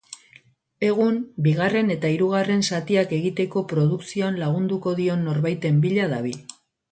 Egun, bigarren eta hirugarren zatiak egiteko produkzioan lagunduko dion norbaiten bila dabil.